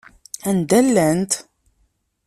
Anda llant?